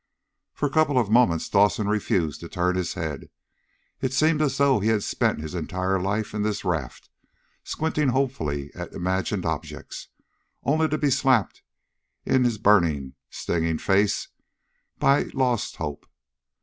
For a couple of moments Dawson refused to turn his head. It seemed as though he had spent his entire life in this raft squinting hopefully at imagined objects, only to be slapped in his burning, stinging face by lost hope.